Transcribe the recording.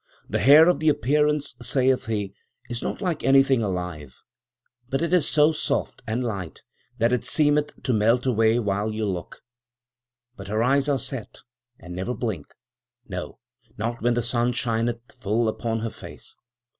The hair of the appearance, sayeth he, is not like anything alive, but it is so soft and light that it seemeth to melt away while you look; but her eyes are set, and never blink—no, not when the sun shineth full upon her face.